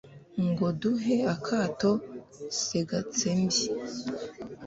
Ngo duhe akato segatsembyi